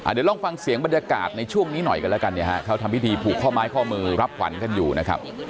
เดี๋ยวลองฟังเสียงบรรยากาศในช่วงนี้หน่อยกันแล้วกันเนี่ยฮะเขาทำพิธีผูกข้อไม้ข้อมือรับขวัญกันอยู่นะครับ